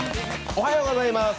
おはようございます。